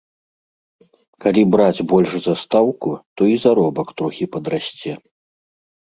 Калі браць больш за стаўку, то і заробак трохі падрасце.